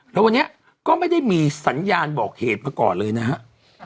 แล้ววันนี้ก็ไม่ได้มีสัญญาณบอกเหตุมาก่อนเลยนะครับ